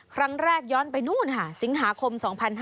ครั้งแรกย้อนไปนู่นสิงหาคม๒๕๕๑